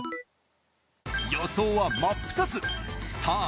予想は真っ二つさあ